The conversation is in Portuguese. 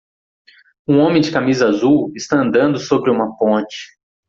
Um homem de camisa azul está andando sobre uma ponte